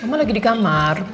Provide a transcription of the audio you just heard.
mama lagi di kamar